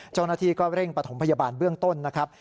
เจ้าหน้าที่ก็เร่งปฐมพยาบาลเบื้องต้นนะครับ